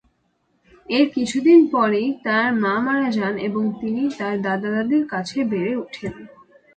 এর কিছু দিন পরেই তার মা মারা যান এবং তিনি তার দাদা-দাদির কাছে বেড়ে উঠেন।